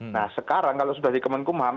nah sekarang kalau sudah di kemenkumham